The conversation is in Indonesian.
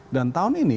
dan tahun ini